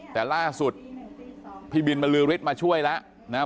แต่ล่าสุดพี่บิลลื้อฤทธิ์มาช่วยแล้วนะฮะ